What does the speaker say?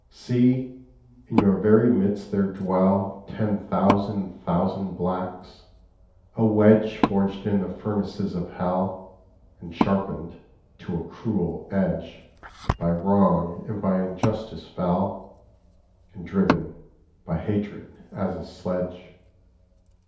See! In your very midst there dwell Ten thousand thousand blacks, a wedge Forged in the furnaces of hell, And sharpened to a cruel edge By wrong and by injustice fell, And driven by hatred as a sledge.